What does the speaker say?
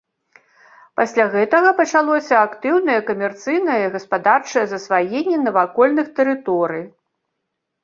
Пасля гэтага пачалося актыўнае камерцыйнае і гаспадарчае засваенне навакольных тэрыторый.